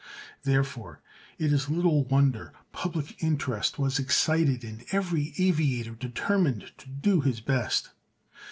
Therefore, it is little wonder public interest was excited and every aviator determined to do his best.